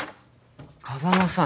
風真さん